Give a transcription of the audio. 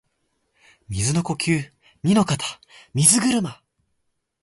水の呼吸弐ノ型水車（にのかたみずぐるま）